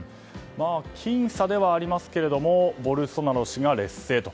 僅差ではありますがボルソナロ氏が劣勢と。